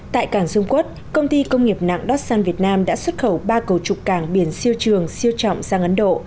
tại cảng dung quốc công ty công nghiệp nặng dossan việt nam đã xuất khẩu ba cầu trục cảng biển siêu trường siêu trọng sang ấn độ